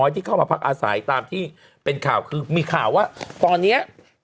ที่เข้ามาพักอาศัยตามที่เป็นข่าวคือมีข่าวว่าตอนนี้